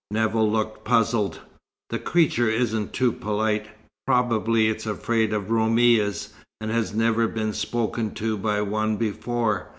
Nevill looked puzzled. "The creature isn't too polite. Probably it's afraid of Roumis, and has never been spoken to by one before.